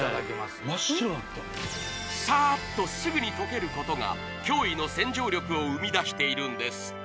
真っ白になったサーッとすぐに溶けることが驚異の洗浄力を生み出しているんです